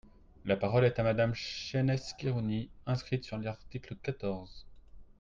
La parole est à Madame Chaynesse Khirouni, inscrite sur l’article quatorze.